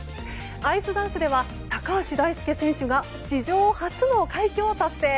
アイスダンスでは高橋大輔選手が史上初の快挙を達成。